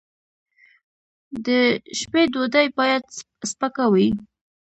د شپې ډوډۍ باید سپکه وي